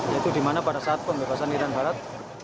yaitu di mana pada saat pembebasan iran barat